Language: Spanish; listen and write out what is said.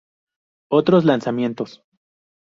Otros lanzamientos